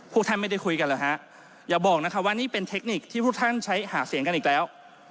พวกท่านไม่ได้คุยกันเหรอฮะอย่าบอกนะคะว่านี่เป็นเทคนิคที่พวกท่านใช้หาเสียงกันอีกแล้ว